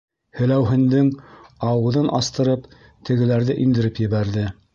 Һеләүһендең ауыҙын астырып, тегеләрҙе индереп ебәрҙе.